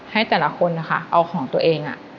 ให้แต่ละคนนะคะเอาของตัวเอง